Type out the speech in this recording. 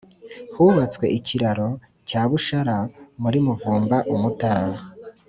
Hubatswe ikiraro cya bushara muri muvumba umutara